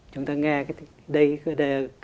chúng ta nghe